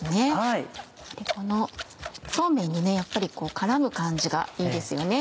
このそうめんにやっぱり絡む感じがいいですよね